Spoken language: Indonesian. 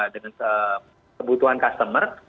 dengan kebutuhan customer